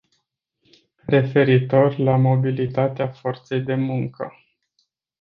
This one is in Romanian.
Referitor la mobilitatea forței de muncă.